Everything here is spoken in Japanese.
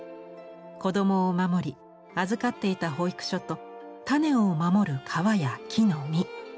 子供を守り預かっていた保育所と種を守る皮や木の実。